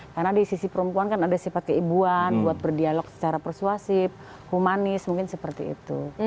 karena di sisi perempuan kan ada sifat keibuan buat berdialog secara persuasif humanis mungkin seperti itu